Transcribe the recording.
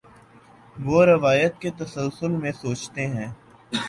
وہ روایت کے تسلسل میں سوچتے ہیں۔